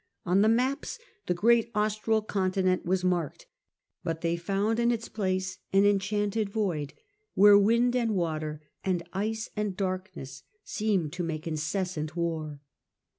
On the maps the great Austral continent was marked, but they found in its place an enchanted void, where wind and water, and ice and darkness, seemed to make incessant war.